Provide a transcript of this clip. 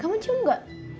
kamu cium gak